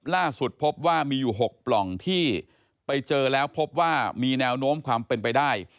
ล่าสุดพบว่ามีอยู่๖ปล่องที่ไปเจอแล้วพบว่ามีแนวโน้มความเป็นไปได้